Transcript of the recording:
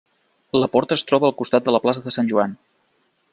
La porta es troba al costat de la plaça de Sant Joan.